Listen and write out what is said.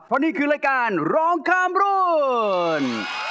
เพราะนี่คือรายการร้องข้ามรุ่น